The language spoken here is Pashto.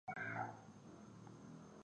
د غریبانو تر مخ د خپلي شتمنۍ حساب مه کوئ!